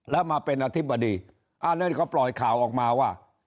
แล้วมาเป็นอธิบดีอ่านั่นก็ปล่อยข่าวออกมาว่า